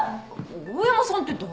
大山さんって誰？